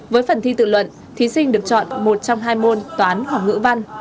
với phần thi tự luận thí sinh được chọn một trong hai môn toán học ngữ văn